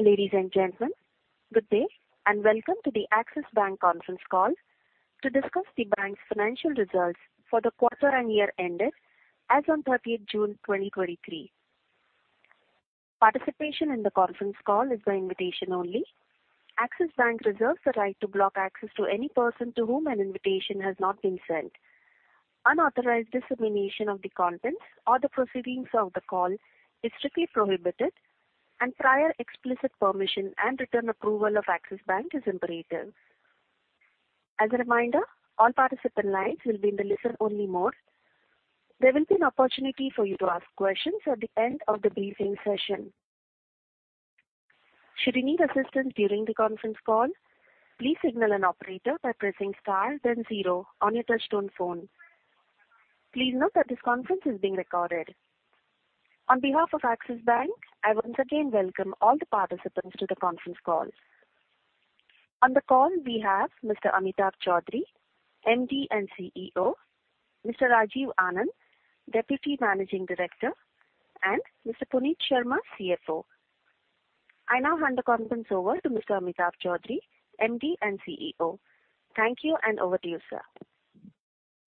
Ladies and gentlemen, good day, and welcome to the Axis Bank conference call to discuss the bank's financial results for the quarter and year ended as on 30th June 2023. Participation in the conference call is by invitation only. Axis Bank reserves the right to block access to any person to whom an invitation has not been sent. Unauthorized dissemination of the conference or the proceedings of the call is strictly prohibited, and prior explicit permission and written approval of Axis Bank is imperative. As a reminder, all participant lines will be in the listen-only mode. There will be an opportunity for you to ask questions at the end of the briefing session. Should you need assistance during the conference call, please signal an operator by pressing star then zero on your touchtone phone. Please note that this conference is being recorded. On behalf of Axis Bank, I once again welcome all the participants to the conference call. On the call, we have Mr. Amitabh Chaudhry, MD and CEO, Mr. Rajiv Anand, Deputy Managing Director, and Mr. Puneet Sharma, CFO. I now hand the conference over to Mr. Amitabh Chaudhry, MD and CEO. Thank you, and over to you, sir.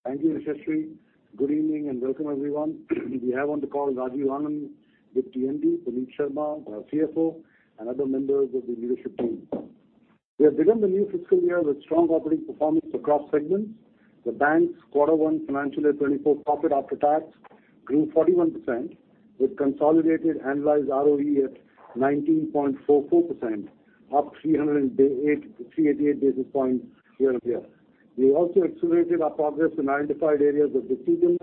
Thank you, Yashashree. Good evening, and welcome, everyone. We have on the call Rajiv Anand, Deputy MD, Puneet Sharma, our CFO, and other members of the leadership team. We have begun the new fiscal year with strong operating performance across segments. The bank's quarter one financial year 2024 profit after tax grew 41%, with consolidated annualized ROE at 19.44%, up 388 basis points year-on-year. We also accelerated our progress in identified areas of discreteness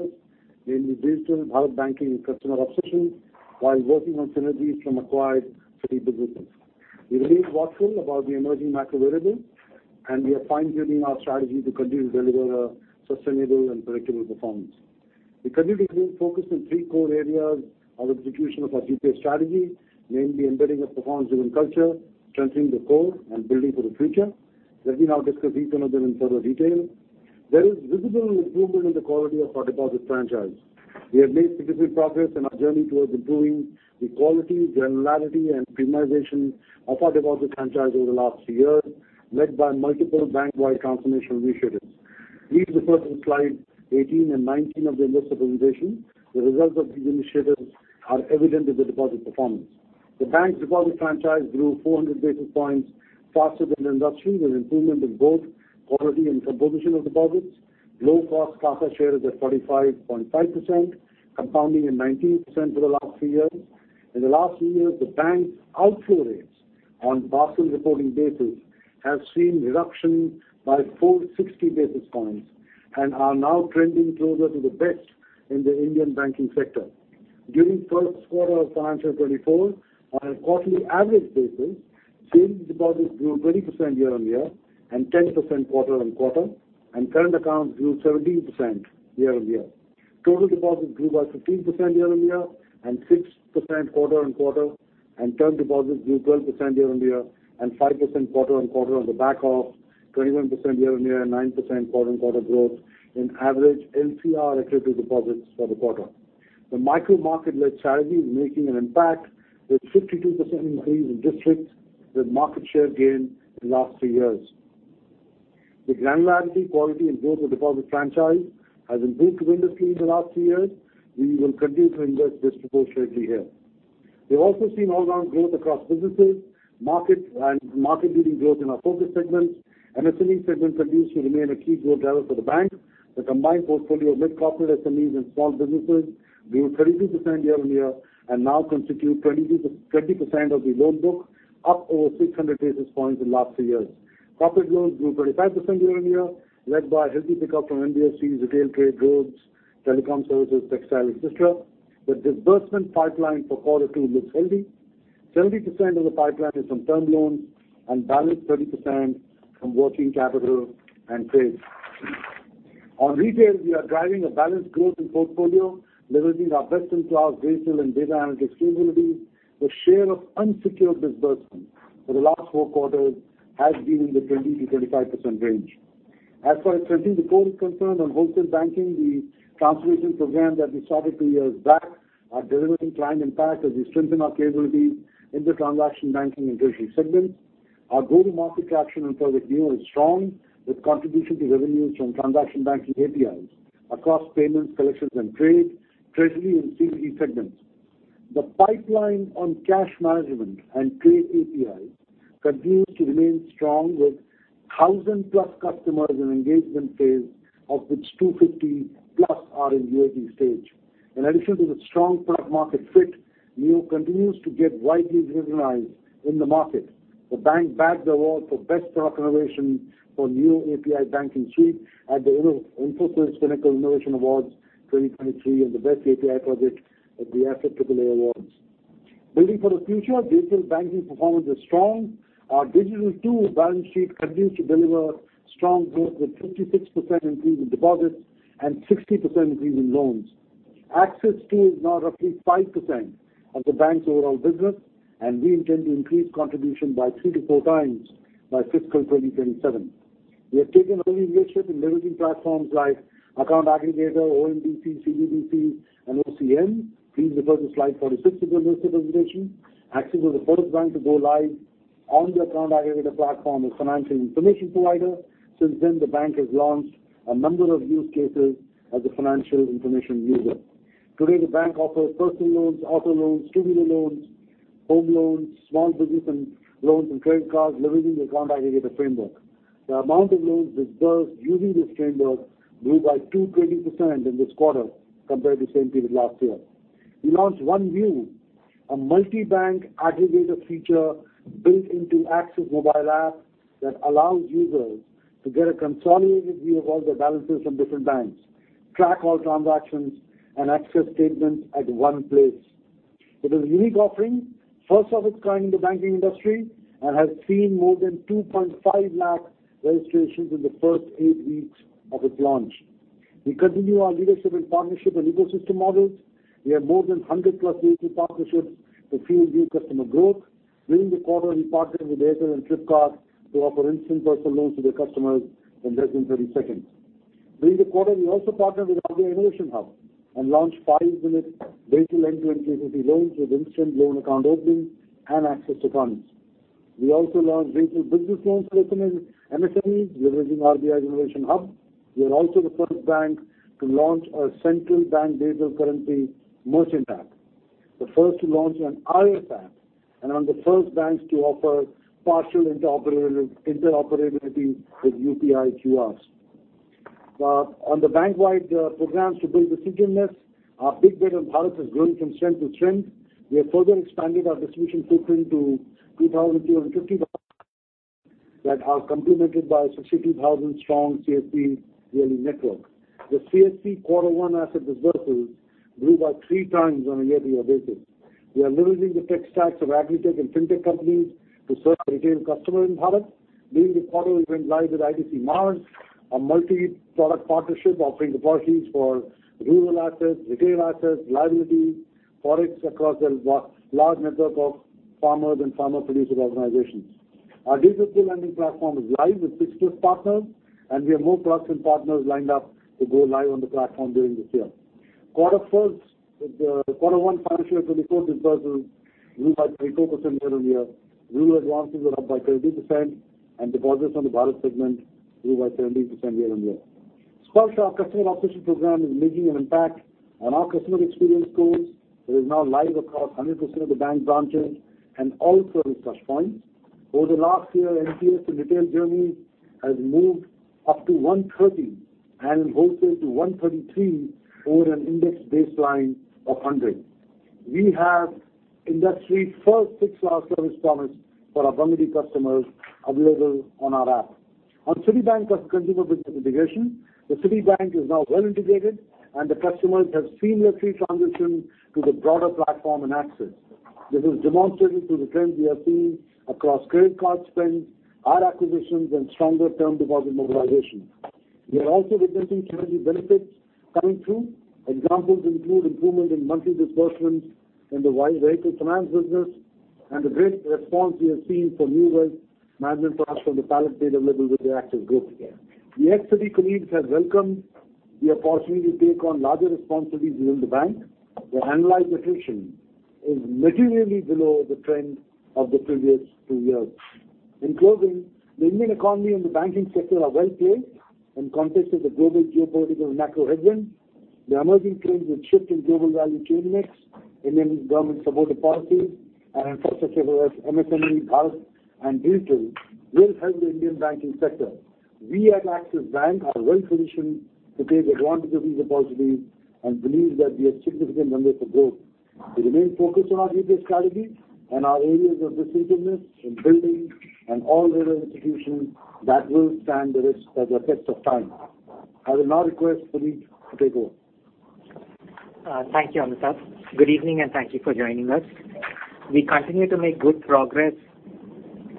in the digital Bharat banking and customer obsession while working on synergies from acquired 3 businesses. We remain watchful about the emerging macro variables, we are fine-tuning our strategy to continue to deliver a sustainable and predictable performance. We continue to keep focused on three core areas of execution of our GPS strategy, namely, embedding a performance-driven culture, strengthening the core, and building for the future. Let me now discuss each one of them in further detail. There is visible improvement in the quality of our deposit franchise. We have made significant progress in our journey towards improving the quality, granularity, and premiumization of our deposit franchise over the last year, led by multiple bank-wide transformational initiatives. Please refer to slide 18 and 19 of the investor presentation. The results of these initiatives are evident in the deposit performance. The bank's deposit franchise grew 400 basis points faster than the industry, with improvement in both quality and composition of deposits. Low-cost CASA share is at 45.5%, compounding in 19% for the last three years. In the last three years, the bank's outflow rates on Basel reporting basis have seen reduction by 460 basis points and are now trending closer to the best in the Indian banking sector. During first quarter of financial 2024, on a quarterly average basis, savings deposits grew 20% year-on-year and 10% quarter-on-quarter, and current accounts grew 17% year-on-year. Total deposits grew by 15% year-on-year and 6% quarter-on-quarter, and term deposits grew 12% year-on-year and 5% quarter-on-quarter on the back of 21% year-on-year and 9% quarter-on-quarter growth in average NPR attributed deposits for the quarter. The micro-market-led strategy is making an impact, with 52% increase in districts with market share gain in the last three years. The granularity, quality, and growth of deposit franchise has improved significantly in the last three years. We will continue to invest disproportionately here. We've also seen all-round growth across businesses, markets, and market-leading growth in our focus segments. MSME segment continues to remain a key growth driver for the bank. The combined portfolio of mid-corporate SMEs and small businesses grew 32% year-on-year and now constitute 22, 20% of the loan book, up over 600 basis points in the last three years. Profit loans grew 35% year-on-year, led by a healthy pickup from NBFCs, retail trade, groves, telecom services, textiles, et cetera. The disbursement pipeline for Q2 looks healthy. 70% of the pipeline is from term loans and balanced 30% from working capital and trade. On retail, we are driving a balanced growth in portfolio, leveraging our best-in-class retail and data analytics capabilities. The share of unsecured disbursements for the last 4 quarters has been in the 20%-25% range. As far as strengthening the core is concerned, on wholesale banking, the transformation program that we started 2 years back are delivering planned impact as we strengthen our capabilities in the transaction banking and treasury segments. Our go-to-market traction on Project NEO is strong, with contribution to revenues from transaction banking APIs across payments, collections, and trade, treasury, and CBG segments. The pipeline on cash management and trade APIs continues to remain strong, with 1,000-plus customers in engagement phase, of which 250-plus are in UAT stage. In addition to the strong product market fit, NEO continues to get widely recognized in the market. The bank bagged award for Best Product Innovation for New API Banking Suite at the Infosys Finacle Innovation Awards 2023, and the Best API Project at The Asset Triple A Awards. Building for the future, digital banking performance is strong. Our Digital Two balance sheet continues to deliver strong growth, with 56% increase in deposits and 60% increase in loans. Axis Two is now roughly 5% of the bank's overall business. We intend to increase contribution by 3 to 4 times by fiscal 2027. We have taken early leadership in leveraging platforms like Account Aggregator, ONDC, CBDC, and OCEN. Please refer to Slide 46 of the investor presentation. Axis was the first bank to go live on the Account Aggregator platform as financial information provider. Since then, the bank has launched a number of use cases as a financial information user. Today, the bank offers personal loans, auto loans, two-wheeler loans, home loans, small business and loans, and credit cards, leveraging the Account Aggregator framework. The amount of loans dispersed using this framework grew by 220% in this quarter compared to the same period last year. We launched One View, a multi-bank aggregator feature built into Axis Mobile app that allows users to get a consolidated view of all their balances from different banks, track all transactions, and access statements at one place. It is a unique offering, first of its kind in the banking industry, and has seen more than 2.5 lakh registrations in the first eight weeks of its launch. We continue our leadership in partnership and ecosystem models. We have more than 100+ digital partnerships to fuel new customer growth. During the quarter, we partnered with Airtel and Flipkart to offer instant personal loans to their customers in less than 30 seconds. During the quarter, we also partnered with RBI Innovation Hub and launched 5-minute digital end-to-end KCC loans with instant loan account opening and access to funds. We also launched digital business loans for customers, MSMEs, leveraging RBI Innovation Hub. We are also the first bank to launch a Central Bank Digital Currency merchant app, the first to launch an iOS app, and are the first banks to offer partial interoperability with UPI QRs. On the bank-wide programs to build distinctionness, our big data in Bharat is growing from strength to strength. We have further expanded our distribution footprint to 2,350 that are complemented by 62,000 strong CSC VLE network. The CSC Quarter One asset dispersals grew by 3x on a year-over-year basis. We are leveraging the tech stacks of agritech and fintech companies to serve retail customer in Bharat. During the quarter, we went live with ITC MAARS, a multi-product partnership offering deposits for rural access, retail access, liabilities, forex across a large network of farmers and farmer producer organizations. Our digital lending platform is live with 6+ partners, we have more products and partners lined up to go live on the platform during this year. Quarter One financial 2024 dispersals grew by 24% year-on-year. New advances are up by 20%, deposits on the Bharat segment grew by 17% year-on-year. Sparsh, our customer obsession program, is making an impact on our customer experience scores, that is now live across 100% of the bank branches and all customer touch points. Over the last year, NPS in retail journey has moved up to 130 and wholesale to 133 over an index baseline of 100. We have industry's first 6-hour service promise for our priority customers available on our app. Citibank customer consumer business integration, the Citibank is now well integrated, and the customers have seamlessly transitioned to the broader platform in Axis Bank. This is demonstrated through the trends we have seen across credit card spend, our acquisitions, and stronger term deposit mobilization. We are also witnessing synergy benefits coming through. Examples include improvement in monthly disbursements in the vehicle finance business, and the great response we have seen from users migrating to us from the Citi digital label with the Axis group. The ex-Citi committees have welcomed the opportunity to take on larger responsibilities within the bank. Their annual attrition is materially below the trend of the previous two years. In closing, the Indian economy and the banking sector are well placed in context of the global geopolitical macro headwinds. The emerging trends with shift in global value chain mix, Indian government supported policies and infrastructure, such as MSME, Bharat, and digital, will help the Indian banking sector. We at Axis Bank are well positioned to take advantage of these opportunities and believe that we have significant runway for growth. We remain focused on our retail strategy and our areas of distinctionness in building an all-weather institution that will stand the test of time. I will now request Puneet to take over. Thank you, Amitabh. Good evening. Thank you for joining us. We continue to make good progress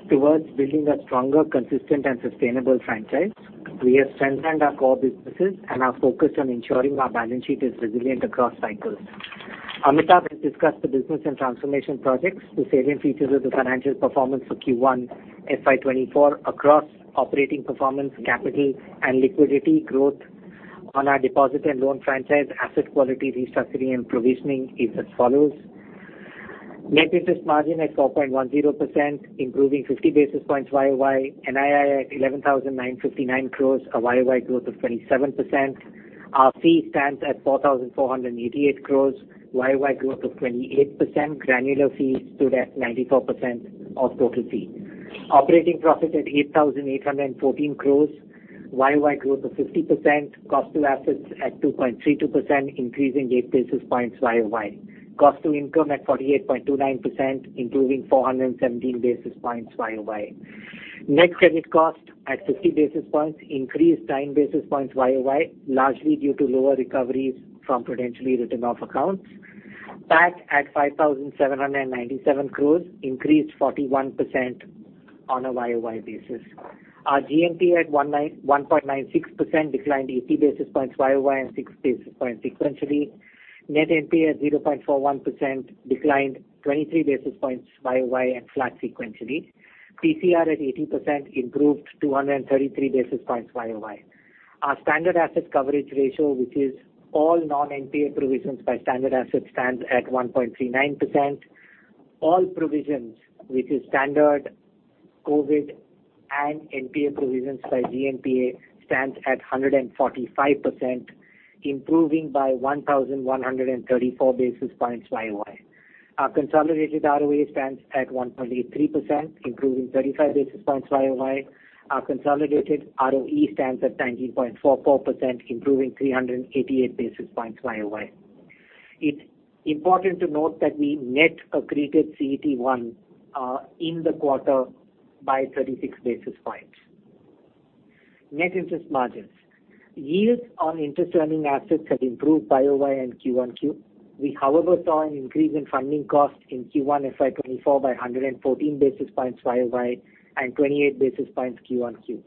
towards building a stronger, consistent, and sustainable franchise. We have strengthened our core businesses and are focused on ensuring our balance sheet is resilient across cycles. Amitabh has discussed the business and transformation projects, the salient features of the financial performance for Q1 FY 2024 across operating performance, capital, and liquidity, growth on our deposit and loan franchise, asset quality, restructuring, and provisioning is as follows: Net interest margin at 4.10%, improving 50 basis points year-on-year, NII at 11,959 crores, a year-on-year growth of 27%. Our fee stands at 4,488 crores, year-on-year growth of 28%. Granular fees stood at 94% of total fee. Operating profit at 8,814 crores, year-on-year growth of 50%. Cost to assets at 2.32%, increasing 8 basis points year-on-year. Cost to income at 48.29%, improving 417 basis points year-on-year. Net credit cost at 50 basis points, increased 9 basis points year-on-year, largely due to lower recoveries from potentially written-off accounts. Back at 5,797 crores, increased 41% on a YoY basis. Our GNPA at 1.96%, declined 80 basis points YoY, and 6 basis points sequentially. Net NPA at 0.41%, declined 23 basis points YoY and flat sequentially. PCR at 80%, improved 233 basis points YoY. Our standard asset coverage ratio, which is all non-NPA provisions by standard assets, stands at 1.39%. All provisions, which is standard COVID and NPA provisions by GNPA, stands at 145%, improving by 1,134 basis points YoY. Our consolidated ROE stands at 1.83%, improving 35 basis points YoY. Our consolidated ROE stands at 19.44%, improving 388 basis points YoY. It's important to note that we net accreted CET1 in the quarter by 36 basis points. Net interest margins. Yields on interest-earning assets have improved YoY and Q1Q. We, however, saw an increase in funding costs in Q1 FY 2024 by 114 basis points YoY, and 28 basis points Q1Q.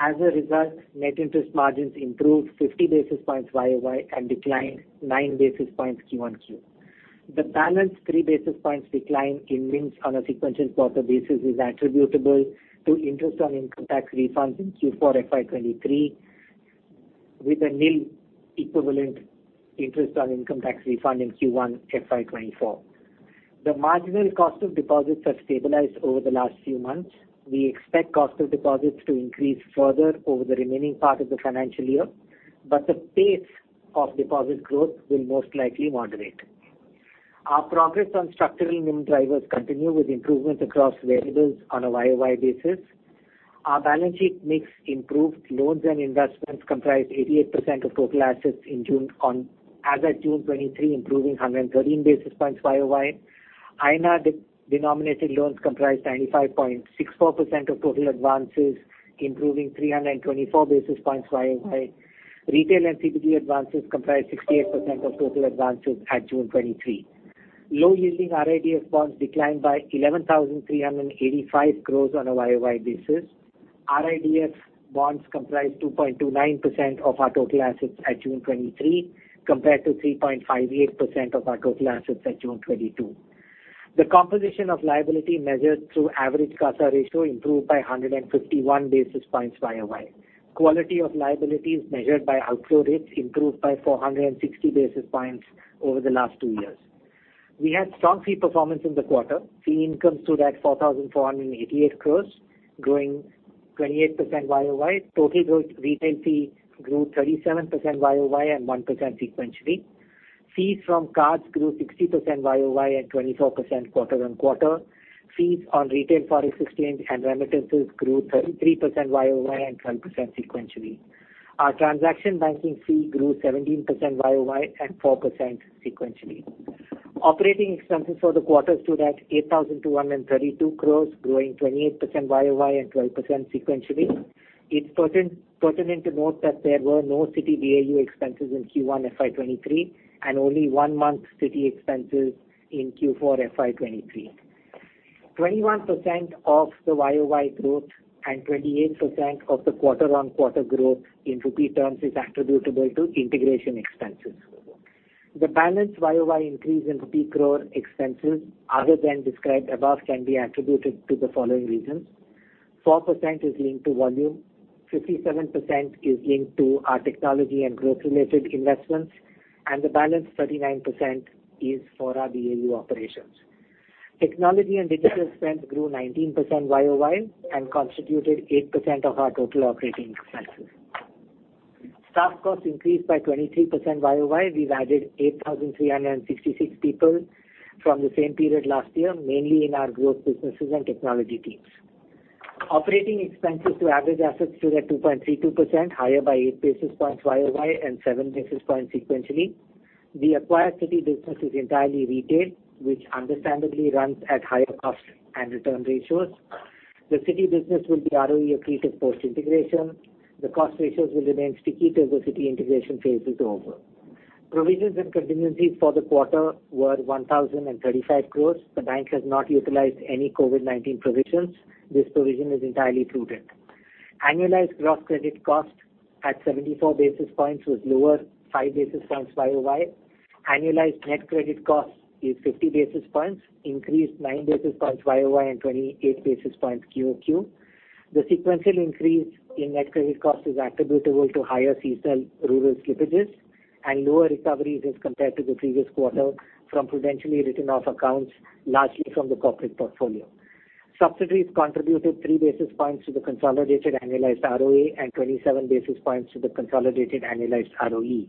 As a result, net interest margins improved 50 basis points YoY, and declined 9 basis points Q1Q. The balance 3 basis points decline in NIMs on a sequential quarter basis is attributable to interest on income tax refunds in Q4 FY 2023, with a nil equivalent interest on income tax refund in Q1 FY 2024. The marginal cost of deposits have stabilized over the last few months. We expect cost of deposits to increase further over the remaining part of the financial year, but the pace of deposit growth will most likely moderate. Our progress on structural NIM drivers continue with improvements across variables on a YoY basis. Our balance sheet mix improved. Loans and investments comprised 88% of total assets as at June 2023, improving 113 basis points YoY. INR-denominated loans comprised 95.64% of total advances, improving 324 basis points YoY. Retail and CBG advances comprised 68% of total advances at June 2023. Low-yielding RIDF bonds declined by 11,385 crores on a YoY basis. RIDF bonds comprise 2.29% of our total assets at June 2023, compared to 3.58% of our total assets at June 2022. The composition of liability measured through average CASA ratio improved by 151 basis points YoY. Quality of liabilities measured by outflow rates improved by 460 basis points over the last 2 years. We had strong fee performance in the quarter. Fee income stood at 4,488 crores, growing 28% YoY. Total growth- retail fee grew 37% YoY and 1% sequentially. Fees from cards grew 60% YoY and 24% quarter-on-quarter. Fees on retail forex exchange and remittances grew 33% YoY and 12% sequentially. Our transaction banking fee grew 17% YoY and 4% sequentially. Operating expenses for the quarter stood at 8,232 crore, growing 28% YoY and 12% sequentially. It's pertinent to note that there were no Citi BAU expenses in Q1 FY 2023, and only one month Citi expenses in Q4 FY 2023. 21% of the YoY growth and 28% of the quarter-on-quarter growth in rupee terms is attributable to integration expenses. The balance YoY increase in crore expenses, other than described above, can be attributed to the following reasons: 4% is linked to volume, 57% is linked to our technology and growth-related investments, and the balance, 39%, is for our BAU operations. Technology and digital spend grew 19% year-over-year, constituted 8% of our total operating expenses. Staff costs increased by 23% year-over-year. We've added 8,366 people from the same period last year, mainly in our growth businesses and technology teams. Operating expenses to average assets stood at 2.32%, higher by 8 basis points year-over-year and 7 basis points sequentially. The acquired Citi Business is entirely retail, which understandably runs at higher cost and return ratios. The Citi Business will be ROE accretive post-integration. The cost ratios will remain sticky till the Citi integration phase is over. Provisions and contingencies for the quarter were 1,035 crore. The bank has not utilized any COVID-19 provisions. This provision is entirely through debt. Annualized gross credit cost at 74 basis points, was lower 5 basis points year-over-year. Annualized net credit cost is 50 basis points, increased 9 basis points YoY, and 28 basis points QoQ. The sequential increase in net credit cost is attributable to higher seasonal rural slippages and lower recoveries as compared to the previous quarter from potentially written-off accounts, largely from the corporate portfolio. Subsidiaries contributed 3 basis points to the consolidated annualized ROA and 27 basis points to the consolidated annualized ROE.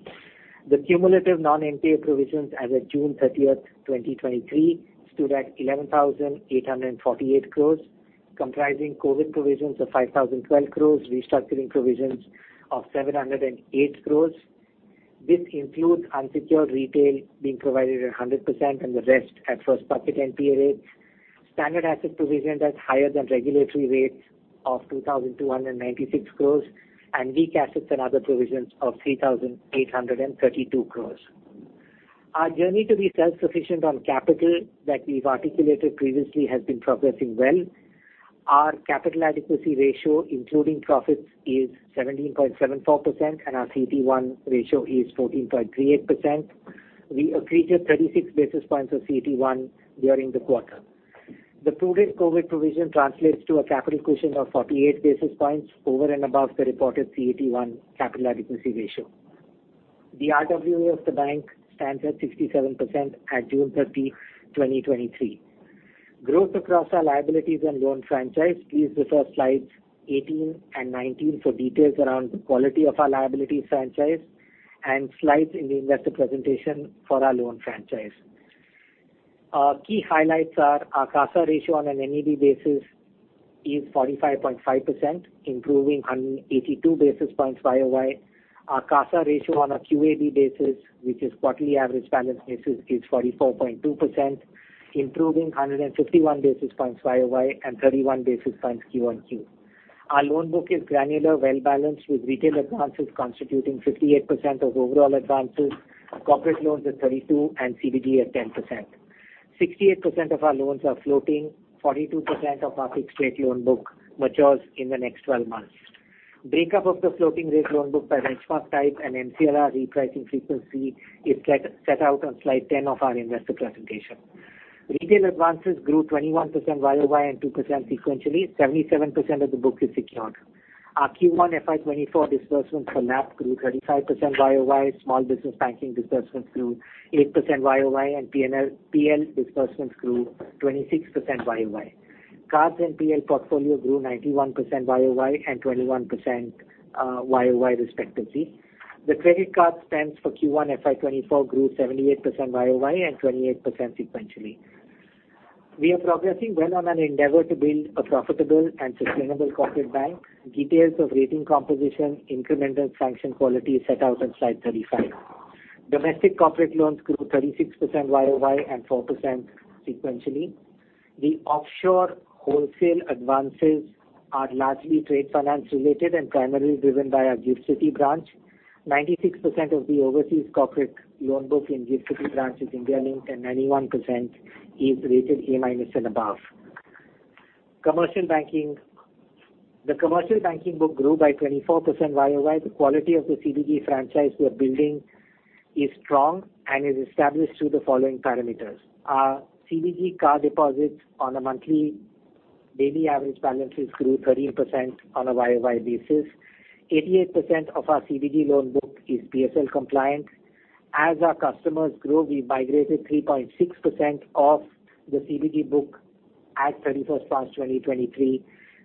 The cumulative non-NPA provisions as at June 30, 2023, stood at 11,848 crores, comprising COVID provisions of 5,012 crores, restructuring provisions of 708 crores. This includes unsecured retail being provided at 100%, and the rest at first bucket NPA rate. standard asset provision that's higher than regulatory rates of 2,296 crores, and weak assets and other provisions of 3,832 crores. Our journey to be self-sufficient on capital that we've articulated previously, has been progressing well. Our capital adequacy ratio, including profits, is 17.74%, and our CET1 ratio is 14.38%. We accreted 36 basis points of CET1 during the quarter. The prudent COVID provision translates to a capital cushion of 48 basis points over and above the reported CET1 capital adequacy ratio. The RWA of the bank stands at 67% at June 30, 2023. Growth across our liabilities and loan franchise, please refer slides 18 and 19 for details around the quality of our liability franchise, and slides in the investor presentation for our loan franchise. Our key highlights are our CASA ratio on an MEB basis is 45.5%, improving 182 basis points YoY. Our CASA ratio on a QAB basis, which is quarterly average balance basis, is 44.2%, improving 151 basis points YoY and 31 basis points Q1Q. Our loan book is granular, well-balanced, with retail advances constituting 58% of overall advances, corporate loans at 32%, and CBG at 10%. 68% of our loans are floating, 42% of our fixed rate loan book matures in the next 12 months. Breakup of the floating rate loan book by benchmark type and MCLR repricing frequency is set out on slide 10 of our investor presentation. Retail advances grew 21% YoY and 2% sequentially. 77% of the book is secured. Our Q1 FY 2024 disbursements for LAP grew 35% YoY. Small business banking disbursements grew 8% YoY, and P&L disbursements grew 26% YoY. Cards and P&L portfolio grew 91% YoY and 21% YoY, respectively. The credit card spends for Q1 FY 2024 grew 78% YoY and 28% sequentially. We are progressing well on an endeavor to build a profitable and sustainable corporate bank. Details of rating composition, incremental sanction quality is set out on slide 35. Domestic corporate loans grew 36% YoY and 4% sequentially. The offshore wholesale advances are largely trade finance-related and primarily driven by our Gift City branch. 96% of the overseas corporate loan book in Gift City branch is India-linked, and 91% is rated A minus and above. Commercial banking. The commercial banking book grew by 24% YoY. The quality of the CBG franchise we are building is strong and is established through the following parameters: Our CBG CA deposits on a daily average balances grew 13% on a year-over-year basis. 88% of our CBG loan book is PSL compliant. As our customers grow, we migrated 3.6% of the CBG book at 31st March 2023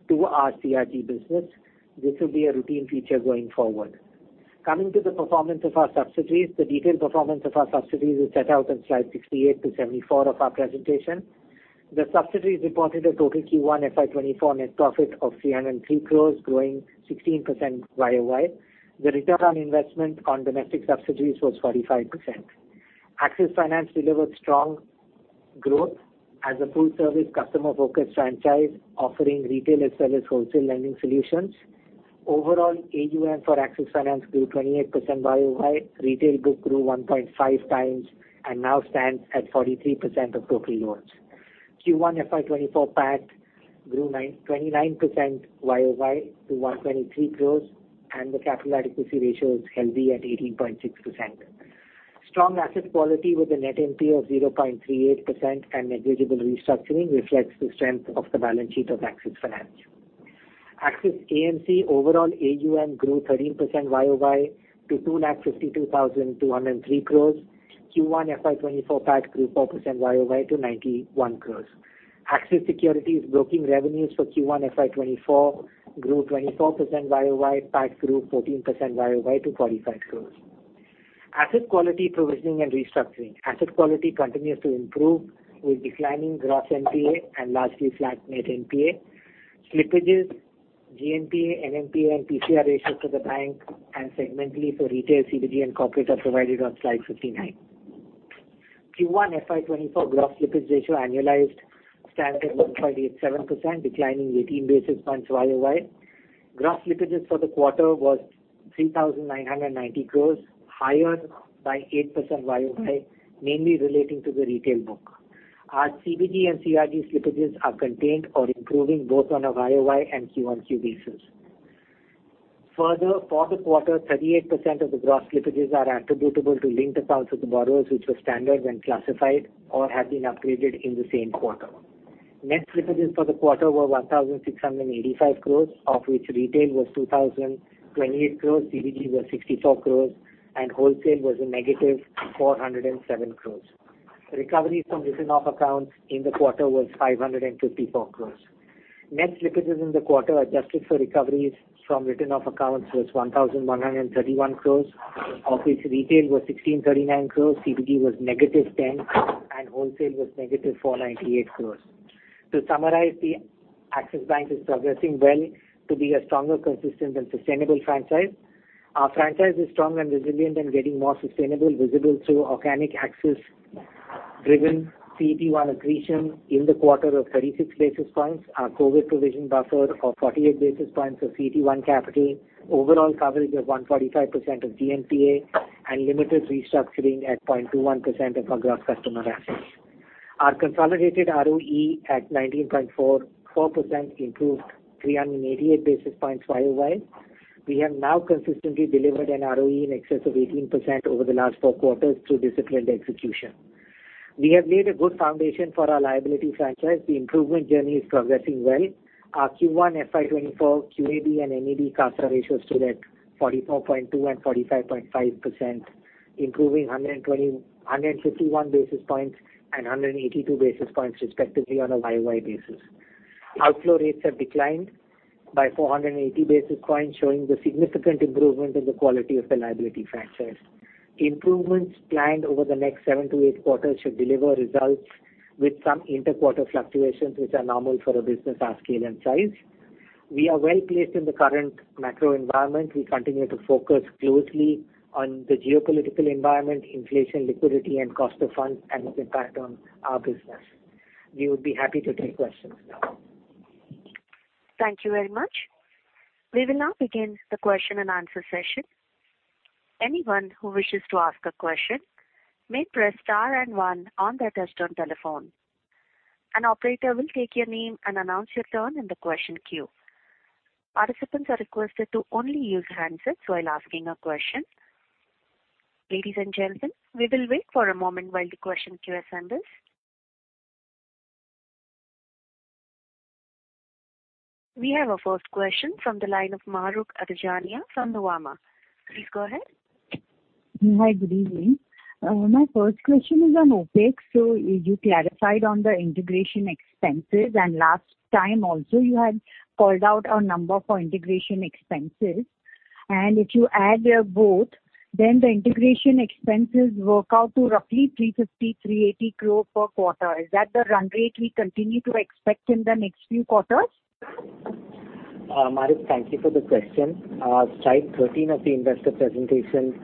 to our CRG business. This will be a routine feature going forward. Coming to the performance of our subsidiaries. The detailed performance of our subsidiaries is set out on slide 68-74 of our presentation. The subsidiaries reported a total Q1 FY 2024 net profit of 303 crores, growing 16% year-over-year. The return on investment on domestic subsidiaries was 45%. Axis Finance delivered strong growth as a full-service, customer-focused franchise, offering retail as well as wholesale lending solutions. Overall, AUM for Axis Finance grew 28% YoY, retail book grew 1.5x and now stands at 43% of total loans. Q1 FY 2024 PAT grew 29% YoY to 123 crores, and the capital adequacy ratio is healthy at 18.6%. Strong asset quality with a net NPA of 0.38% and negligible restructuring, reflects the strength of the balance sheet of Axis Finance. Axis AMC, overall AUM grew 13% YoY to 2,52,203 crores. Q1 FY 2024 PAT grew 4% YoY to 91 crores. Axis Securities broking revenues for Q1 FY 2024 grew 24% YoY. PAT grew 14% YoY to 45 crores. Asset quality, provisioning and restructuring. Asset quality continues to improve, with declining gross NPA and largely flat net NPA. Slippages, GNPA, NNPA and PCR ratios for the bank and segmentally for retail, CBG and corporate, are provided on slide 59. Q1 FY 2024 gross slippage ratio annualized stands at 1.87%, declining 18 basis points YoY. Gross slippages for the quarter was 3,990 crores, higher by 8% YoY, mainly relating to the retail book. Our CBG and CRG slippages are contained or improving, both on a YoY and Q1Q basis. Further, for the quarter, 38% of the gross slippages are attributable to linked accounts of the borrowers, which were standard when classified or have been upgraded in the same quarter. Net slippages for the quarter were 1,685 crores, of which retail was 2,028 crores, CBG was 64 crores, and wholesale was a -407 crores. Recoveries from written-off accounts in the quarter was 554 crore. Net slippages in the quarter, adjusted for recoveries from written-off accounts, was 1,131 crore, of which retail was 1,639 crore, CBG was -10 crore, and wholesale was -498 crore. To summarize, Axis Bank is progressing well to be a stronger, consistent and sustainable franchise. Our franchise is strong and resilient and getting more sustainable, visible through organic access, driven CET1 accretion in the quarter of 36 basis points. Our COVID provision buffer of 48 basis points of CET1 capital, overall coverage of 145% of GNPA, and limited restructuring at 0.21% of our gross customer assets. Our consolidated ROE at 19.44% improved 388 basis points YoY. We have now consistently delivered an ROE in excess of 18% over the last four quarters through disciplined execution. We have laid a good foundation for our liability franchise. The improvement journey is progressing well. Our Q1 FY 2024 QAB and MEB CASA ratios stood at 44.2% and 45.5%, improving 151 basis points and 182 basis points respectively on a YoY basis. Outflow rates have declined by 480 basis points, showing the significant improvement in the quality of the liability franchise. Improvements planned over the next seven to eight quarters should deliver results with some inter-quarter fluctuations, which are normal for a business our scale and size. We are well placed in the current macro environment. We continue to focus closely on the geopolitical environment, inflation, liquidity, and cost of funds, and the impact on our business. We would be happy to take questions now. Thank you very much. We will now begin the question-and-answer session. Anyone who wishes to ask a question may press star 1 on their touchtone telephone. An operator will take your name and announce your turn in the question queue. Participants are requested to only use handsets while asking a question. Ladies and gentlemen, we will wait for a moment while the question queue assembles. We have our first question from the line of Mahrukh Adajania from Nuvama. Please go ahead. Hi, good evening. My first question is on OpEx. You clarified on the integration expenses, and last time also, you had called out a number for integration expenses. If you add both, then the integration expenses work out to roughly 350- 380 crore per quarter. Is that the run rate we continue to expect in the next few quarters? Mahrukh, thank you for the question. Slide 13 of the investor presentation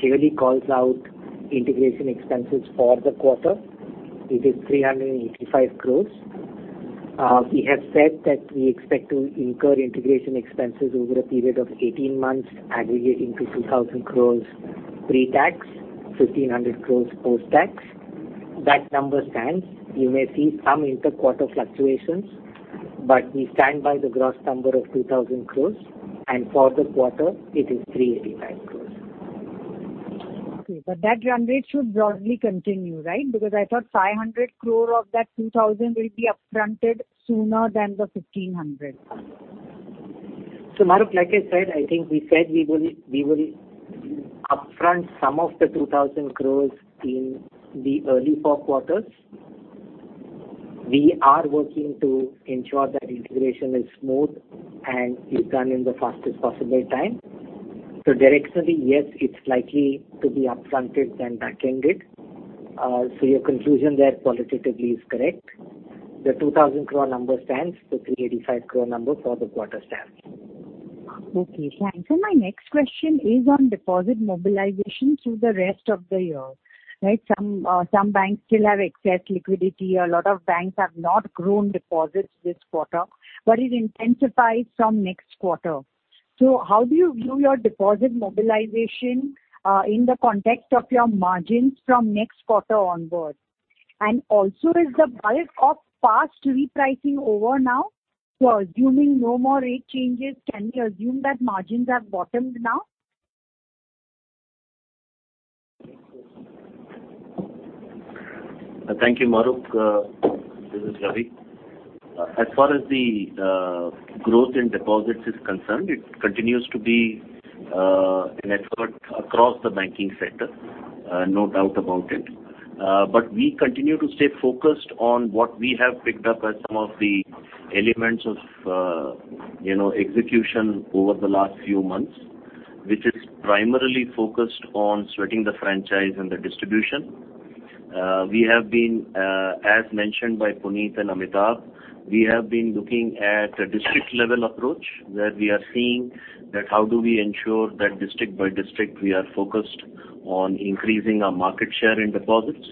clearly calls out integration expenses for the quarter. It is 385 crores. We have said that we expect to incur integration expenses over a period of 18 months, aggregating to 2,000 crores pre-tax, 1,500 crores post-tax. That number stands. You may see some inter-quarter fluctuations, but we stand by the gross number of 2,000 crores, and for the quarter, it is INR 385 crores. Okay. That run rate should broadly continue, right? I thought 500 crore of that 2,000 crore will be upfronted sooner than the 1,500 crore. Mahrukh, like I said, I think we said we will, we will upfront some of the 2,000 crore in the early four quarters. We are working to ensure that integration is smooth and is done in the fastest possible time. Directionally, yes, it's likely to be upfronted than backended. Your conclusion there qualitatively is correct. The 2,000 crore number stands, the 385 crore number for the quarter stands. Okay, thanks. My next question is on deposit mobilization through the rest of the year, right? Some banks still have excess liquidity. A lot of banks have not grown deposits this quarter, but it intensifies from next quarter. How do you view your deposit mobilization in the context of your margins from next quarter onwards? Also, is the bulk of past repricing over now? Assuming no more rate changes, can we assume that margins have bottomed now? Thank you, Mahrukh. This is Ravi. As far as the growth in deposits is concerned, it continues to be an effort across the banking sector, no doubt about it. We continue to stay focused on what we have picked up as some of the elements of, you know, execution over the last few months, which is primarily focused on sweating the franchise and the distribution. We have been, as mentioned by Puneet and Amitabh, we have been looking at a district-level approach, where we are seeing that how do we ensure that district by district, we are focused on increasing our market share in deposits.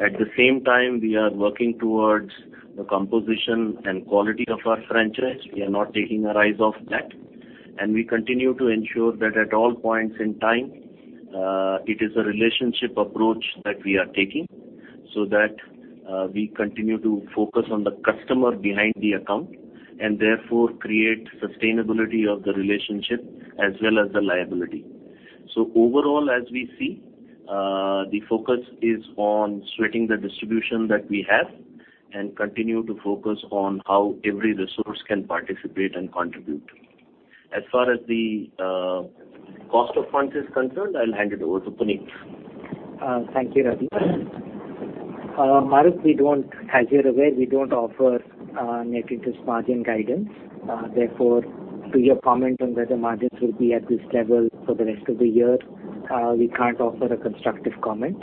At the same time, we are working towards the composition and quality of our franchise. We are not taking our eyes off that, and we continue to ensure that at all points in time, it is a relationship approach that we are taking, so that, we continue to focus on the customer behind the account, and therefore, create sustainability of the relationship as well as the liability. Overall, as we see, the focus is on sweating the distribution that we have and continue to focus on how every resource can participate and contribute. As far as the cost of funds is concerned, I'll hand it over to Puneet. Thank you, Ravi. Mahrukh, as you're aware, we don't offer net interest margin guidance. Therefore, to your comment on whether margins will be at this level for the rest of the year, we can't offer a constructive comment.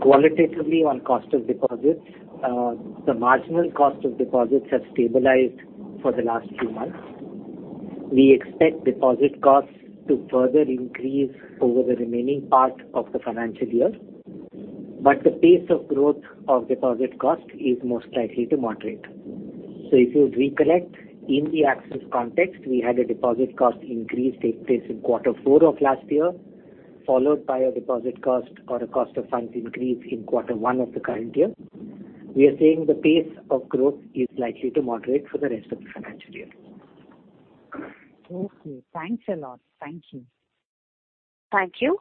Qualitatively on cost of deposits, the marginal cost of deposits have stabilized for the last few months. We expect deposit costs to further increase over the remaining part of the financial year, but the pace of growth of deposit cost is most likely to moderate. If you recollect, in the Axis context, we had a deposit cost increase take place in quarter four of last year, followed by a deposit cost or a cost of funds increase in quarter one of the current year. We are saying the pace of growth is likely to moderate for the rest of the financial year. Okay, thanks a lot. Thank you. Thank you.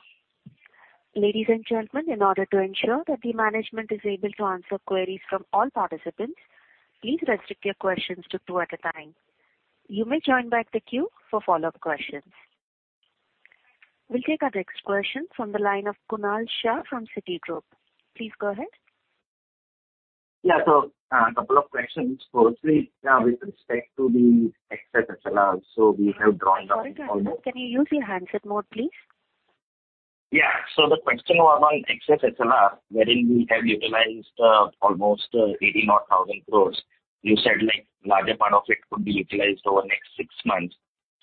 Ladies and gentlemen, in order to ensure that the management is able to answer queries from all participants, please restrict your questions to two at a time. You may join back the queue for follow-up questions. We'll take our next question from the line of Kunal Shah from Citigroup. Please go ahead. Yeah. A couple of questions. Firstly, with respect to the excess SLR. We have drawn down. I'm sorry, can you use your handset mode, please? The question was on excess SLR, wherein we have utilized almost 89,000 crore. You said, like, larger part of it could be utilized over the next 6 months.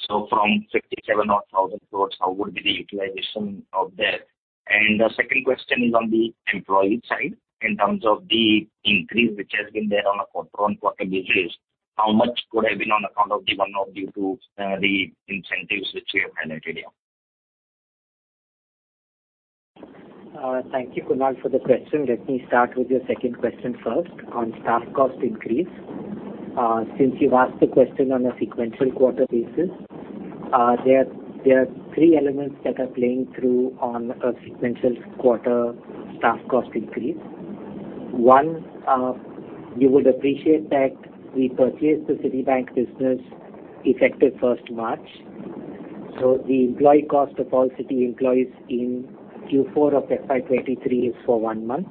From 57,000 odd crore, how would be the utilization of that? The second question is on the employee side, in terms of the increase which has been there on a quarter-on-quarter basis, how much could have been on account of the one-off due to the incentives which you have highlighted here? Thank you, Kunal, for the question. Let me start with your second question first, on staff cost increase. Since you've asked the question on a sequential quarter basis, there are three elements that are playing through on a sequential quarter staff cost increase. One, you would appreciate that we purchased the Citibank business effective 1st March, so the employee cost of all Citi employees in Q4 of FY 2023 is for 1 month.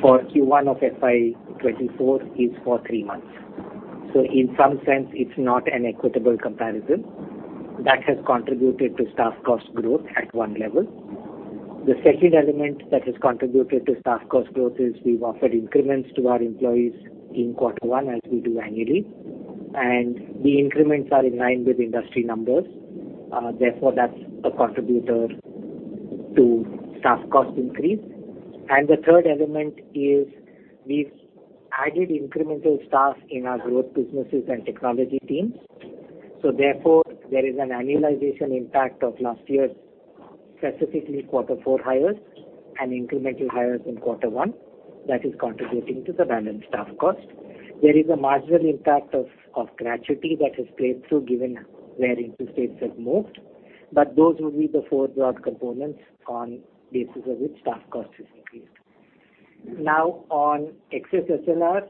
For Q1 of FY 2024 is for 3 months. In some sense, it's not an equitable comparison. That has contributed to staff cost growth at 1 level. The second element that has contributed to staff cost growth is we've offered increments to our employees in Q1, as we do annually, and the increments are in line with industry numbers. Therefore, that's a contributor to staff cost increase. The third element is we've added incremental staff in our growth businesses and technology teams, so therefore, there is an annualization impact of last year's, specifically quarter four hires and incremental hires in quarter one. That is contributing to the balance staff cost. There is a marginal impact of gratuity that has played through, given where interest rates have moved. Those would be the four broad components on basis of which staff cost has increased. Now, on excess SLR,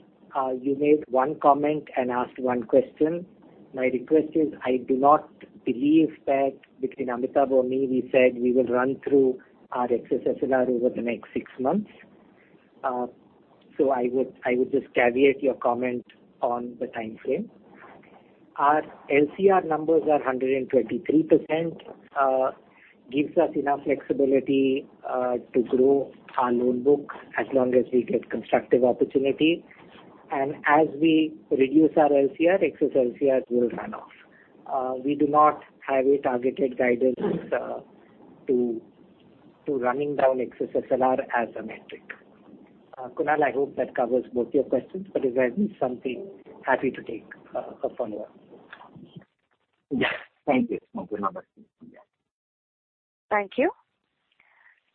you made one comment and asked one question. My request is, I do not believe that between Amitabh or me, we said we will run through our excess SLR over the next six months. I would just caveat your comment on the timeframe. Our LCR numbers are 123%, gives us enough flexibility to grow our loan book as long as we get constructive opportunity. As we reduce our LCR, excess LCR will run off. We do not have a targeted guidance to running down excess SLR as a metric. Kunal, I hope that covers both your questions, if there is something, happy to take, a follow-up. Yeah. Thank you. Thank you.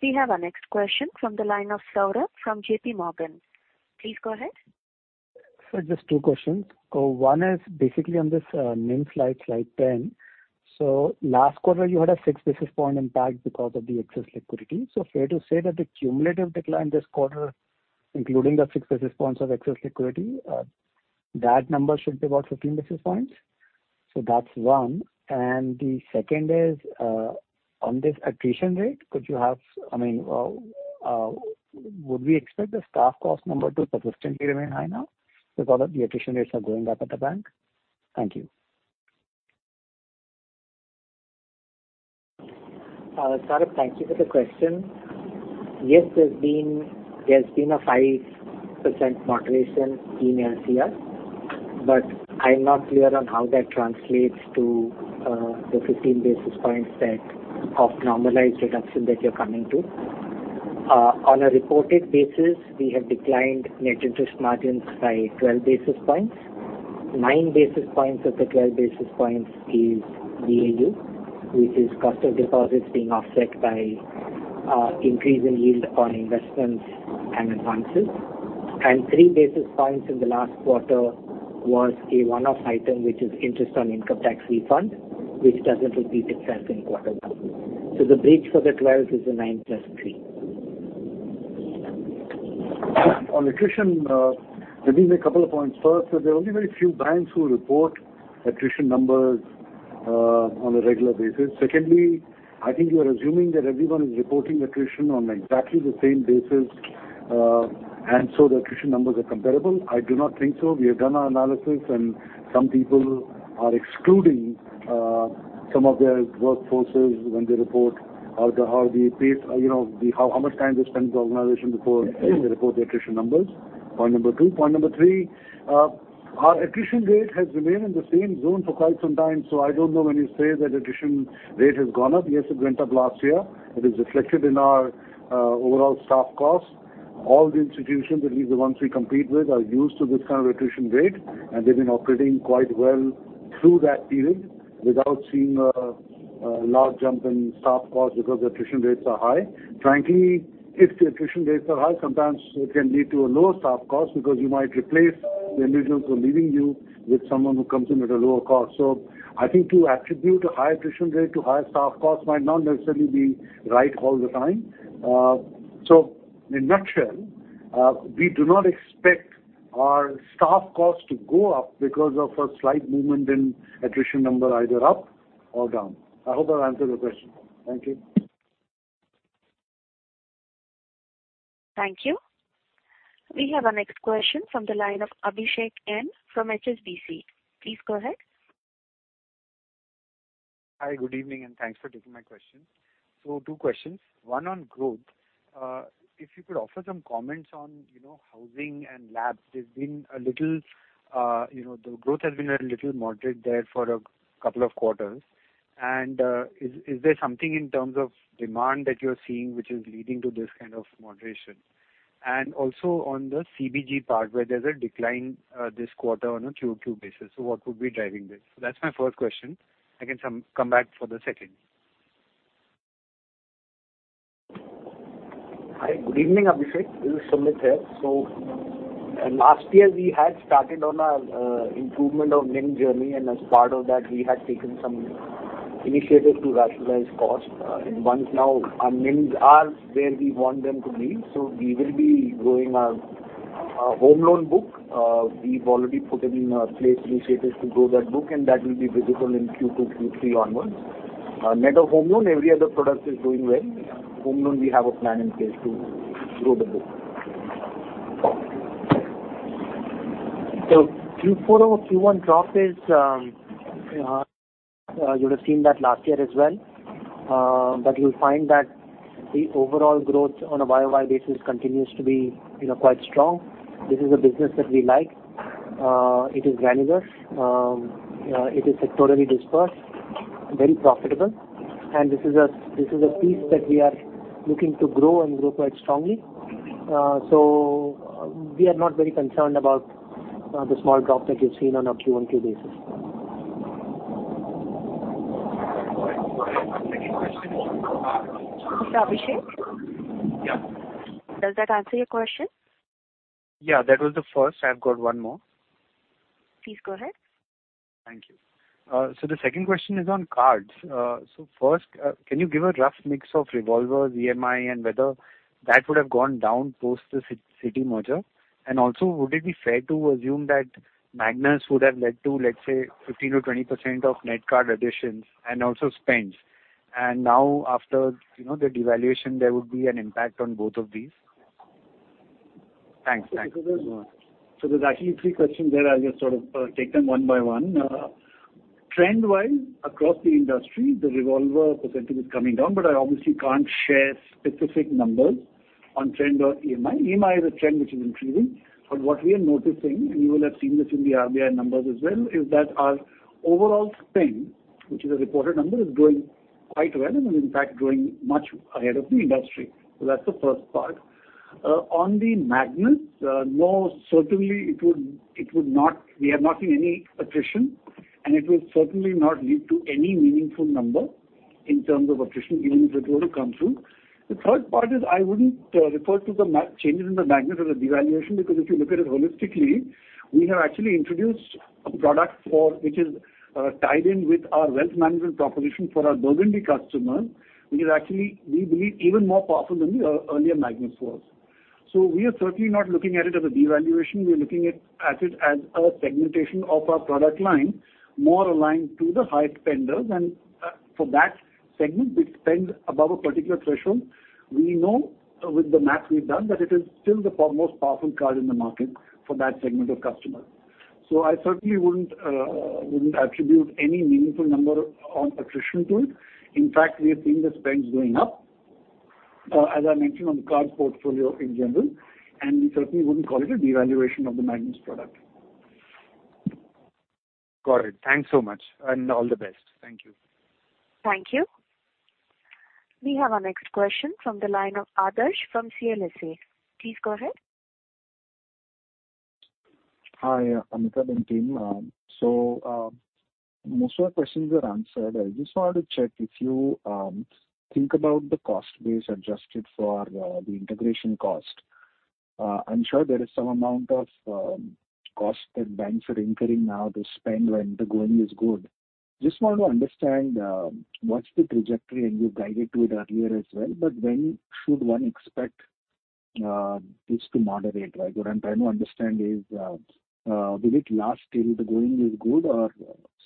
We have our next question from the line of Saurabh from JPMorgan. Please go ahead. Just two questions. One is basically on this NIM slide 10. Last quarter, you had a 6 basis point impact because of the excess liquidity. Fair to say that the cumulative decline this quarter, including the 6 basis points of excess liquidity, that number should be about 15 basis points? That's one. The second is, on this attrition rate, I mean, would we expect the staff cost number to persistently remain high now because of the attrition rates are going back at the bank? Thank you. Saurabh, thank you for the question. Yes, there's been a 5% moderation in LCR. I'm not clear on how that translates to the 15 basis points that, of normalized reduction that you're coming to. On a reported basis, we have declined net interest margins by 12 basis points. 9 basis points of the 12 basis points is DAU, which is cost of deposits being offset by increase in yield on investments and advances. 3 basis points in the last quarter was a one-off item, which is interest on income tax refund, which doesn't repeat itself in quarter one. The break for the 12 is the 9 + 3. On attrition, let me make a couple of points first. There are only very few banks who report attrition numbers on a regular basis. Secondly, I think you are assuming that everyone is reporting attrition on exactly the same basis, and so the attrition numbers are comparable? I do not think so. We have done our analysis, and some people are excluding some of their workforces when they report how the, how the pace, you know, the how much time they spend in the organization before they report the attrition numbers, point number two. Point number three, our attrition rate has remained in the same zone for quite some time, so I don't know when you say that attrition rate has gone up. Yes, it went up last year. It is reflected in our overall staff costs. All the institutions, at least the ones we compete with, are used to this kind of attrition rate, they've been operating quite well through that period without seeing a large jump in staff costs because the attrition rates are high. Frankly, if the attrition rates are high, sometimes it can lead to a lower staff cost because you might replace the individuals who are leaving you with someone who comes in at a lower cost. I think to attribute a high attrition rate to high staff costs might not necessarily be right all the time. In nutshell, we do not expect our staff costs to go up because of a slight movement in attrition number, either up or down. I hope I've answered your question. Thank you. Thank you. We have our next question from the line of Abhishek M from HSBC. Please go ahead. Hi, good evening, thanks for taking my question. 2 questions. 1 on growth. If you could offer some comments on, you know, housing and LAP. There's been a little, you know, the growth has been a little moderate there for 2 quarters. Is there something in terms of demand that you're seeing which is leading to this kind of moderation? Also on the CBG part, where there's a decline, this quarter on a QoQ basis, what would be driving this? That's my 1st question. I can come back for the 2nd. Hi, good evening, Abhishek. This is Sumit here. Last year, we had started on a improvement of NIM journey, and as part of that, we had taken some initiatives to rationalize costs. Once now our NIMs are where we want them to be, so we will be growing our home loan book. We've already put in place initiatives to grow that book, and that will be visible in Q2, Q3 onwards. Our net of home loan, every other product is doing well. Home loan, we have a plan in place to grow the book. Q4 over Q1 drop is, you would have seen that last year as well. You'll find that the overall growth on a YoY basis continues to be, you know, quite strong. This is a business that we like. It is granular, it is sectorally dispersed, very profitable, and this is a piece that we are looking to grow and grow quite strongly. We are not very concerned about the small drop that you've seen on a Q1Q basis. My second question was. Abhishek? Yeah. Does that answer your question? That was the first. I've got one more. Please go ahead. Thank you. The second question is on cards. First, can you give a rough mix of revolver, EMI, and whether that would have gone down post the Citi merger? Also, would it be fair to assume that Magnus would have led to, let's say, 15%-20% of net card additions and also spends, and now after, you know, the devaluation, there would be an impact on both of these? Thanks. Thanks. There's actually three questions there. I'll just sort of take them one by one. Trend-wise, across the industry, the revolver percentage is coming down, but I obviously can't share specific numbers on trend or EMI. EMI is a trend which is increasing. What we are noticing, and you will have seen this in the RBI numbers as well, is that our overall spend, which is a reported number, is growing quite well and in fact growing much ahead of the industry. That's the first part. On the Magnus, no, certainly it would not. We have not seen any attrition, and it will certainly not lead to any meaningful number in terms of attrition, even if it were to come through. The third part is I wouldn't refer to the changes in the Magnus or the devaluation, because if you look at it holistically, we have actually introduced a product which is tied in with our wealth management proposition for our Burgundy customer, which is actually, we believe, even more powerful than the earlier Magnus was. We are certainly not looking at it as a devaluation. We are looking at it as a segmentation of our product line, more aligned to the high spenders. For that segment, which spends above a particular threshold, we know with the math we've done, that it is still the most powerful card in the market for that segment of customers. I certainly wouldn't attribute any meaningful number on attrition to it. In fact, we have seen the spends going up, as I mentioned, on the card portfolio in general, and we certainly wouldn't call it a devaluation of the Magnus product. Got it. Thanks so much and all the best. Thank you. Thank you. We have our next question from the line of Adarsh from CLSA. Please go ahead. Hi, Amitabh and team. Most of the questions were answered. I just wanted to check if you think about the cost base adjusted for the integration cost. I am sure there is some amount of cost that banks are incurring now to spend when the going is good. Just want to understand what is the trajectory, and you guided to it earlier as well, but when should one expect this to moderate, right? What I am trying to understand is, will it last till the going is good, or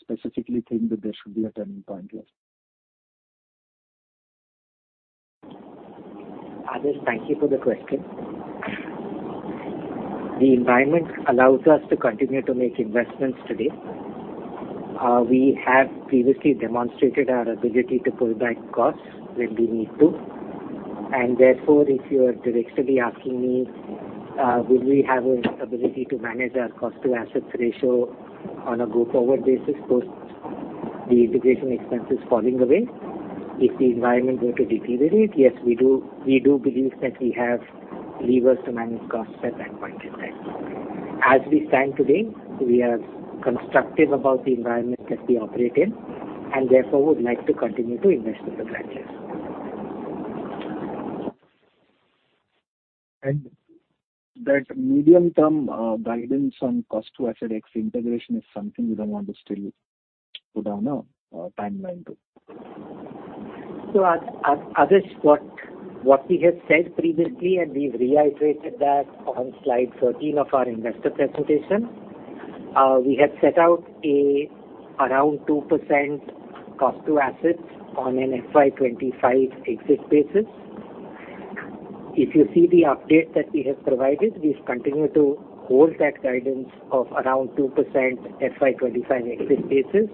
specifically think that there should be a turning point here? Adish, thank you for the question. The environment allows us to continue to make investments today. We have previously demonstrated our ability to pull back costs when we need to. Therefore, if you are directly asking me, will we have an ability to manage our cost to assets ratio on a go-forward basis post the integration expenses falling away? If the environment were to deteriorate, yes, we do believe that we have levers to manage costs at that point in time. As we stand today, we are constructive about the environment that we operate in, and therefore, would like to continue to invest in the branches. That medium-term guidance on cost to asset ex integration is something you don't want to still put on a timeline to? Adish, what we have said previously, we've reiterated that on slide 13 of our investor presentation, we have set out around 2% cost to assets on an FY 2025 exit basis. You see the update that we have provided, we've continued to hold that guidance of around 2% FY 2025 exit basis,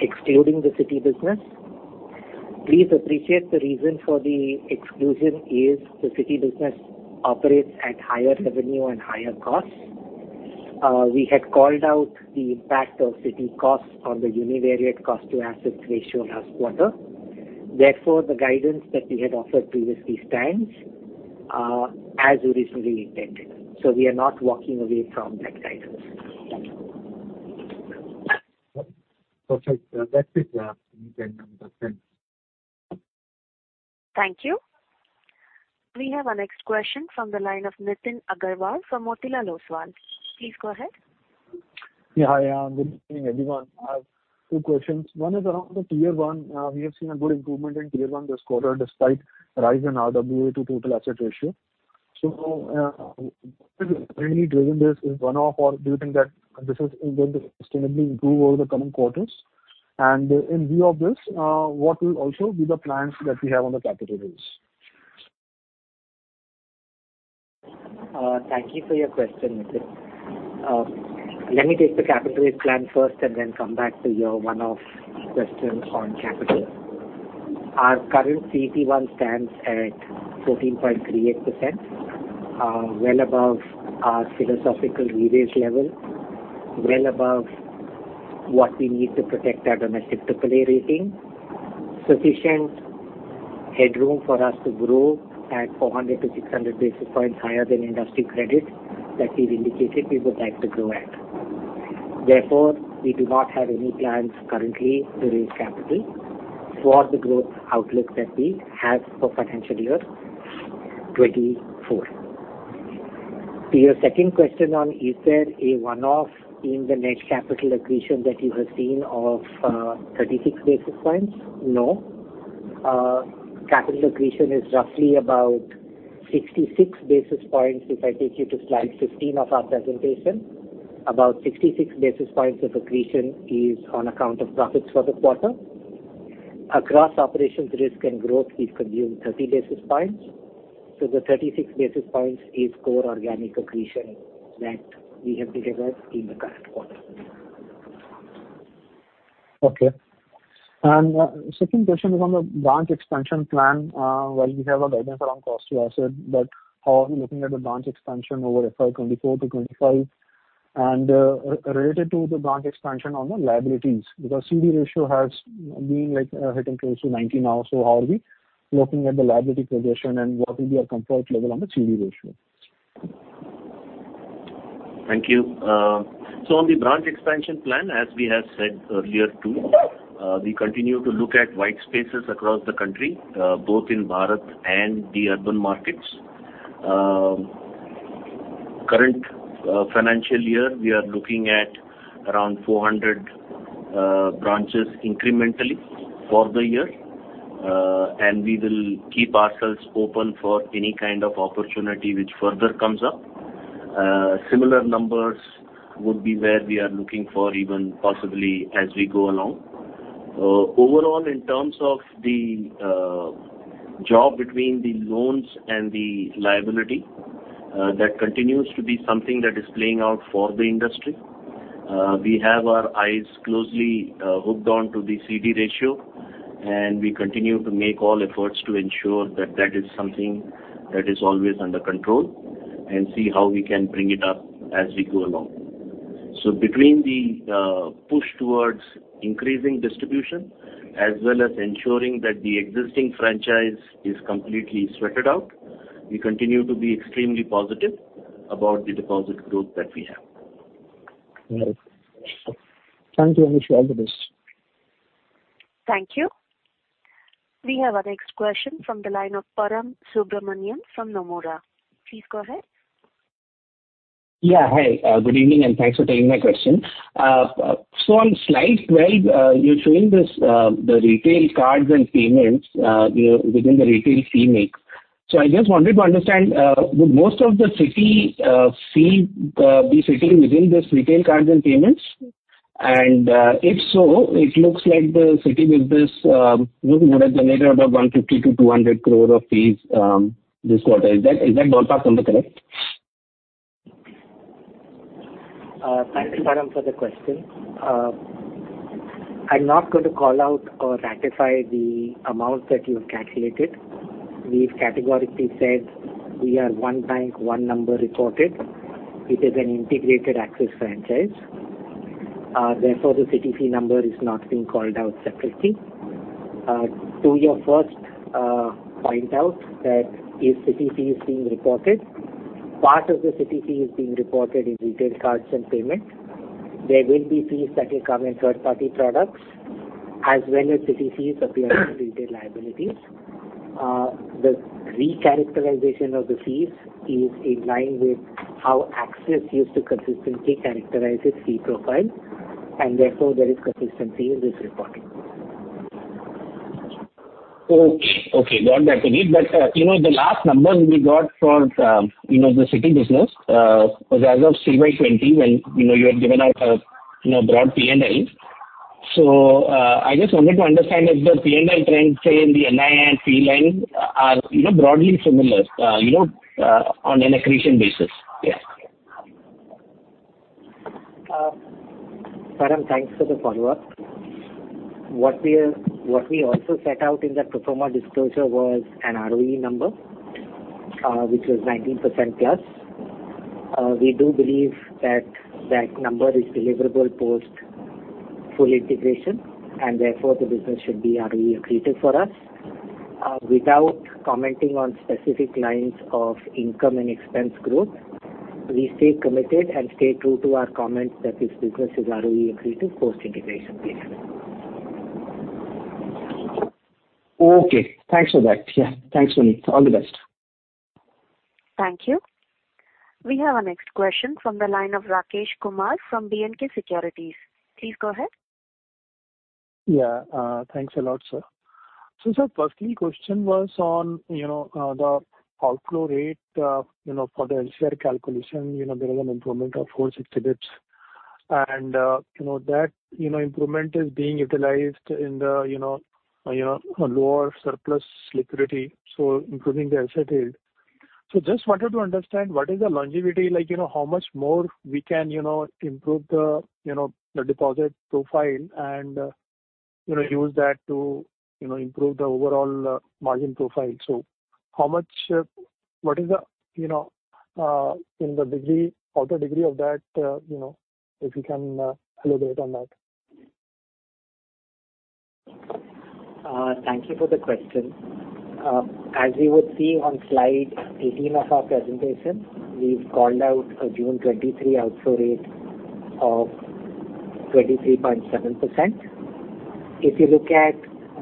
excluding the Citi Business. Please appreciate the reason for the exclusion is the Citi Business operates at higher revenue and higher costs. We had called out the impact of Citi costs on the univariate cost to assets ratio last quarter. The guidance that we had offered previously stands as originally intended, so we are not walking away from that guidance. Perfect. That's it, then. Thank you. We have our next question from the line of Nitin Aggarwal from Motilal Oswal. Please go ahead. Yeah, hi, good evening, everyone. I have two questions. One is around the Tier I. We have seen a good improvement in Tier I this quarter, despite rise in RWA to total asset ratio. Mainly driven this is one-off or do you think that this is going to sustainably improve over the coming quarters? In view of this, what will also be the plans that we have on the capital raise? Thank you for your question, Nitin. Let me take the capital raise plan first and then come back to your one-off question on capital. Our current CET1 stands at 14.38%, well above our philosophical leverage level, well above what we need to protect our domestic triple A rating. Sufficient headroom for us to grow at 400-600 basis points higher than industry credit that we've indicated we would like to grow at. Therefore, we do not have any plans currently to raise capital for the growth outlook that we have for financial year 2024. To your second question on is there a one-off in the net capital accretion that you have seen of 36 basis points? No. Capital accretion is roughly about 66 basis points, if I take you to slide 15 of our presentation. About 66 basis points of accretion is on account of profits for the quarter. Across operations, risk, and growth, we've consumed 30 basis points. The 36 basis points is core organic accretion that we have delivered in the current quarter. Okay. Second question is on the branch expansion plan. While we have a guidance around cost to asset, how are we looking at the branch expansion over FY 2024 to 2025? Related to the branch expansion on the liabilities, because CD ratio has been, like, hitting close to 90 now. How are we looking at the liability progression, and what will be our comfort level on the CD ratio? Thank you. On the branch expansion plan, as we have said earlier, too, we continue to look at white spaces across the country, both in Bharat and the urban markets. Current financial year, we are looking at around 400 branches incrementally for the year. We will keep ourselves open for any kind of opportunity which further comes up. Similar numbers would be where we are looking for even possibly as we go along. In terms of the job between the loans and the liability, that continues to be something that is playing out for the industry. We have our eyes closely hooked on to the CD ratio, and we continue to make all efforts to ensure that that is something that is always under control, and see how we can bring it up as we go along. Between the push towards increasing distribution, as well as ensuring that the existing franchise is completely sweated out, we continue to be extremely positive about the deposit growth that we have. Thank you very much for all this. Thank you. We have our next question from the line of Param Subramanian from Nomura. Please go ahead. Yeah, hi, good evening, and thanks for taking my question. On slide 12, you're showing this, the retail cards and payments, within the retail fee make. I just wanted to understand, would most of the Citi fee be sitting within this retail cards and payments? If so, it looks like the Citi business would have generated about 150- 200 crore of fees this quarter. Is that ballpark number correct? Thank you, Param, for the question. I'm not going to call out or ratify the amount that you've calculated. We've categorically said we are one bank, one number reported. It is an integrated Axis franchise, therefore, the Citi fee is not being called out separately. To your first point out that if Citi fee is being reported, part of the Citi fee is being reported in retail cards and payment. There will be fees that will come in third-party products, as well as CTCs appear in retail liabilities. The recharacterization of the fees is in line with how Axis used to consistently characterize its fee profile, therefore there is consistency in this reporting. Okay, okay, got that. You know, the last number we got for, you know, the Citi business, was as of CY 2020, when, you know, you had given out a, you know, broad P&L. I just wanted to understand if the P&L trend, say, in the NII and fee line are, you know, broadly similar, you know, on an accretion basis? Yeah. Param, thanks for the follow-up. What we also set out in that pro forma disclosure was an ROE number, which was 19%+. We do believe that that number is deliverable post full integration. Therefore, the business should be ROE accretive for us. Without commenting on specific lines of income and expense growth, we stay committed and stay true to our comments that this business is ROE accretive post-integration period. Okay, thanks for that. Yeah. Thanks, Puneet. All the best. Thank you. We have our next question from the line of Rakesh Kumar from B&K Securities. Please go ahead. Yeah, thanks a lot, sir. Sir, firstly, question was on, you know, the outflow rate, you know, for the LCR calculation, you know, there is an improvement of 4-6 bits. That, you know, improvement is being utilized in the, you know, lower surplus liquidity, so improving the asset yield. Just wanted to understand what is the longevity like? You know, how much more we can, you know, improve the, you know, the deposit profile and, you know, use that to, you know, improve the overall, margin profile. How much, what is the, you know, in the degree, out the degree of that, you know, if you can, elaborate on that? Thank you for the question. As you would see on slide 18 of our presentation, we've called out a June 2023 outflow rate of 23.7%. If you look at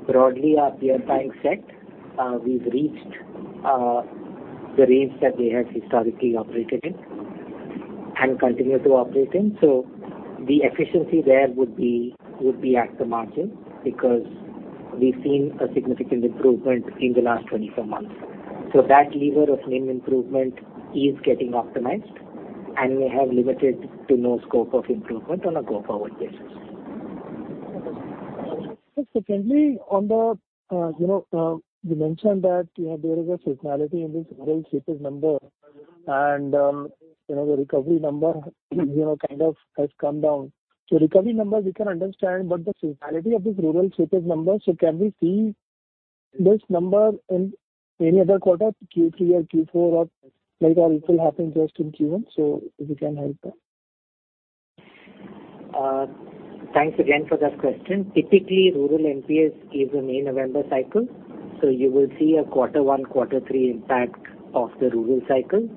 broadly our peer bank set, we've reached the range that we have historically operated in and continue to operate in. The efficiency there would be at the margin, because we've seen a significant improvement in the last 24 months. That lever of main improvement is getting optimized, and we have limited to no scope of improvement on a go-forward basis. Just secondly, on the, you know, you mentioned that, you know, there is a seasonality in this rural shapes number and, you know, the recovery number, you know, kind of has come down. Recovery number, we can understand, but the seasonality of this rural shapes number, can we see this number in any other quarter, Q3 or Q4, or like, or it will happen just in Q1, if you can help there? Thanks again for that question. Typically, rural NPS is a May-November cycle, so you will see a quarter one, quarter three impact of the rural cycle.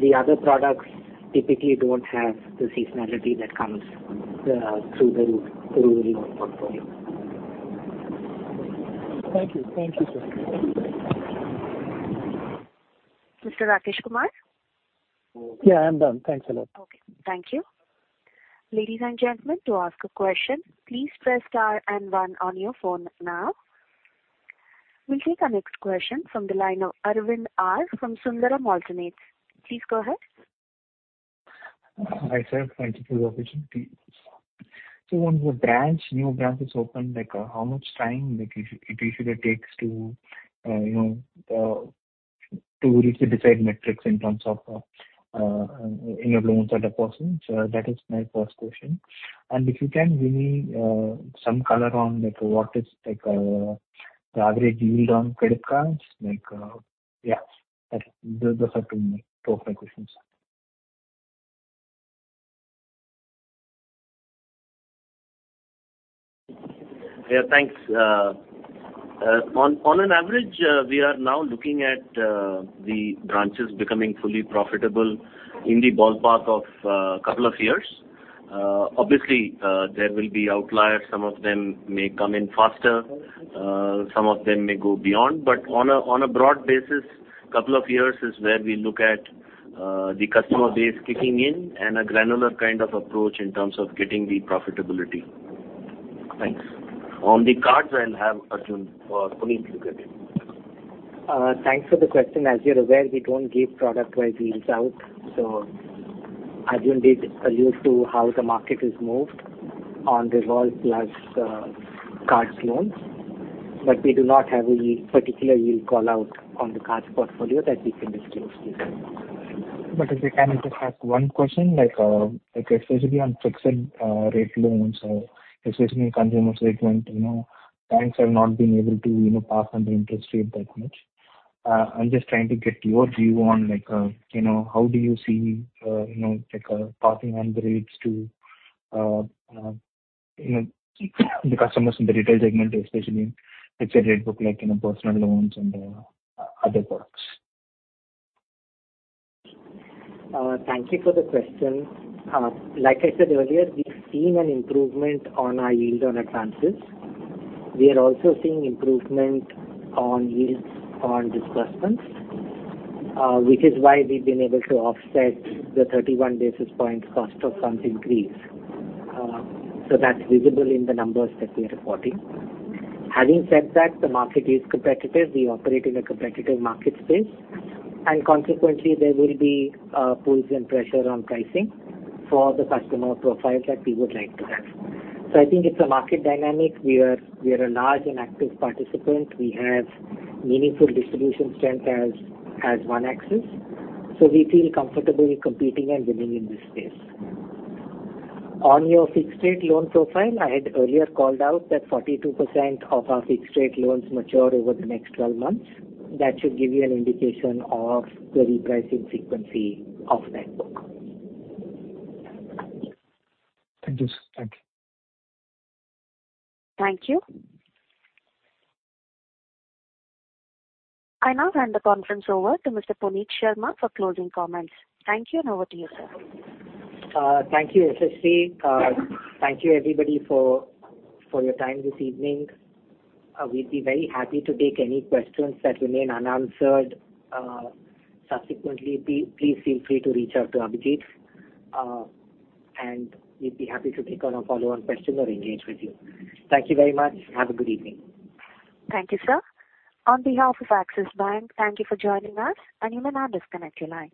The other products typically don't have the seasonality that comes through the rural portfolio. Thank you. Thank you, sir. Mr. Rakesh Kumar? Yeah, I'm done. Thanks a lot. Okay, thank you. Ladies and gentlemen, to ask a question, please press star and one on your phone now. We'll take our next question from the line of Aravind R from Sundaram Alternates. Please go ahead. Hi, sir, thank you for the opportunity. Once a branch, new branch is open, like, how much time, like, it usually takes to, you know, to reach the desired metrics in terms of, in your loans and deposits? That is my first question. If you can give me, some color on, like, what is, like, the average yield on credit cards? Yeah, those are two of my questions. Thanks. On an average, we are now looking at the branches becoming fully profitable in the ballpark of 2 years. Obviously, there will be outliers. Some of them may come in faster, some of them may go beyond, but on a broad basis, 2 years is where we look at the customer base kicking in and a granular kind of approach in terms of getting the profitability. Thanks. On the cards, I'll have Arjun or Puneet look at it. Thanks for the question. As you're aware, we don't give product-wide yields out. I do indeed allude to how the market has moved on revolve plus, cards loans. We do not have any particular yield call-out on the cards portfolio that we can disclose to you. If I can just ask one question, like, especially on fixed rate loans or especially in consumer segment, you know, banks have not been able to, you know, pass on the interest rate that much. I'm just trying to get your view on, like, you know, how do you see, you know, like, passing on the rates to, you know, the customers in the retail segment, especially fixed rate book, like, you know, Personal Loans and other products? Thank you for the question. Like I said earlier, we've seen an improvement on our yield on advances. We are also seeing improvement on yields on disbursements, which is why we've been able to offset the 31 basis points cost of funds increase. That's visible in the numbers that we are reporting. Having said that, the market is competitive. We operate in a competitive market space, and consequently, there will be pulls and pressure on pricing for the customer profile that we would like to have. I think it's a market dynamic. We are a large and active participant. We have meaningful distribution strength as one axis, so we feel comfortable in competing and winning in this space. On your fixed rate loan profile, I had earlier called out that 42% of our fixed rate loans mature over the next 12 months. That should give you an indication of the repricing frequency of that book. Thank you, sir. Thank you. Thank you. I now hand the conference over to Mr. Puneet Sharma for closing comments. Thank you, and over to you, sir. Thank you, Yashashree. Thank you, everybody, for your time this evening. We'd be very happy to take any questions that remain unanswered, subsequently. Please feel free to reach out to Abhijit, and we'd be happy to take on a follow-on question or engage with you. Thank you very much. Have a good evening. Thank you, sir. On behalf of Axis Bank, thank you for joining us, and you may now disconnect your lines.